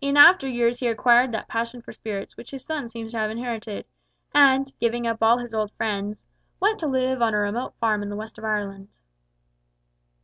In after years he acquired that passion for spirits which his son seems to have inherited, and, giving up all his old friends, went to live on a remote farm in the west of Ireland."